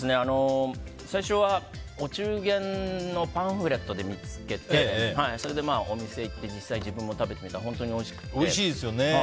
最初はお中元のパンフレットで見つけてそれでお店に行って実際に自分も食べてみたら本当においしくて。